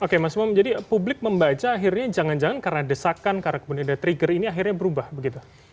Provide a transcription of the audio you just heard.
oke mas umam jadi publik membaca akhirnya jangan jangan karena desakan karena kemudian ada trigger ini akhirnya berubah begitu